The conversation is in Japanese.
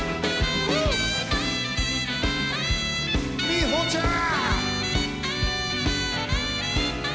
みほちゃん。